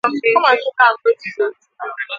buru ọkụkọ ụzọ laba ụra